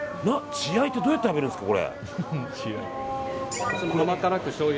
血合いってどうやって食べるんですか？